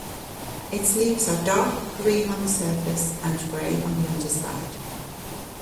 Its leaves are dark green on the surface and grey on the underside.